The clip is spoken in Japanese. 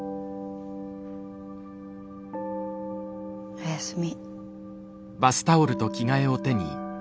おやすみ。